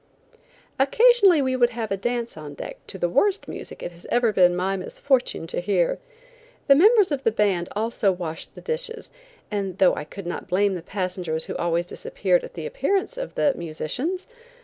Occasionally we would have a dance on deck to the worst music it has ever been my misfortune to hear. The members of the band also washed the dishes, and though I could not blame the passengers who always disappeared at the appearance of the musicians